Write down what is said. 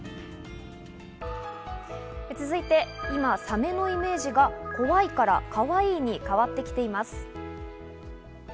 続いて今、サメのイメージが怖いからカワイイに変わってきています。